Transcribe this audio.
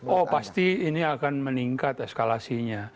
oh pasti ini akan meningkat eskalasinya